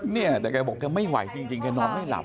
เนี่ยแต่แกบอกแกไม่ไหวจริงแกนอนไม่หลับ